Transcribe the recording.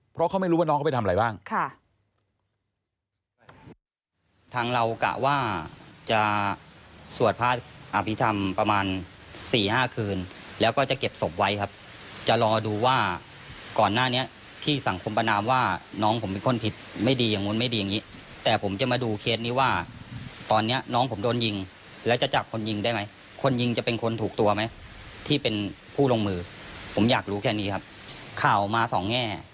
เพราะเขาไม่รู้ว่าน้องเขาไปทำอะไรบ้าง